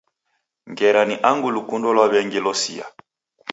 Ngera ni angu lukundo lwa w'engi losia.